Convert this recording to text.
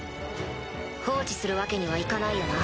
放置するわけにはいかないよな。